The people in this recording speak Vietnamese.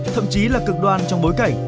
thậm chí là cực đoan trong bối cảnh